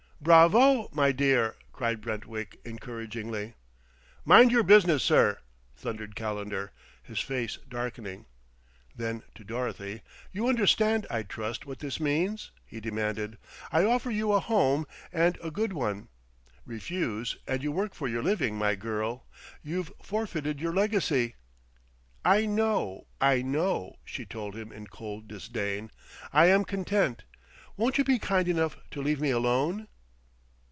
"Bravo, my dear!" cried Brentwick encouragingly. "Mind your business, sir!" thundered Calendar, his face darkening. Then, to Dorothy, "You understand, I trust, what this means?" he demanded. "I offer you a home and a good one. Refuse, and you work for your living, my girl! You've forfeited your legacy " "I know, I know," she told him in cold disdain. "I am content. Won't you be kind enough to leave me alone?"